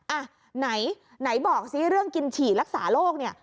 อ่ะไหนไหนบอกซิเรื่องกินฉี่รักษาโรคเนี่ย